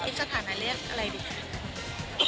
คิดสถานะเรียกอะไรดี